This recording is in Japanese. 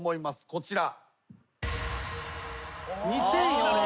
こちら。